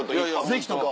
ぜひとも！